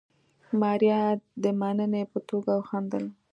ماريا د مننې په توګه وخندل.